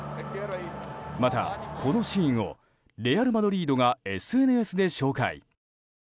また、このシーンをレアル・マドリードがＳＮＳで紹介。